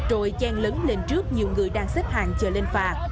rồi chen lấn lên trước nhiều người đang xếp hàng chờ lên phà